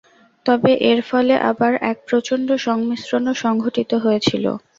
তবে এর ফলে আবার এক প্রচণ্ড সংমিশ্রণও সঙ্ঘটিত হয়েছিল।